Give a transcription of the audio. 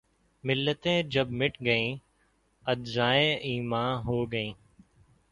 ملتیں جب مٹ گئیں‘ اجزائے ایماں ہو گئیں